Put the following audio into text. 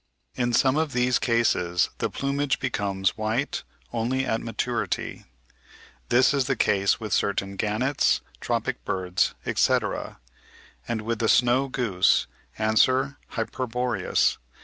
In some of these cases the plumage becomes white only at maturity. This is the case with certain gannets, tropic birds, etc., and with the snow goose (Anser hyperboreus).